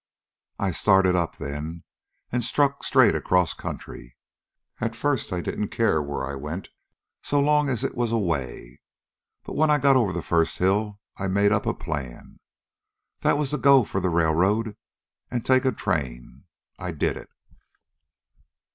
I started up then and struck straight across country. At first I didn't care where I went, so long as it was away, but when I got over the first hill I made up a plan. That was to go for the railroad and take a train. I did it.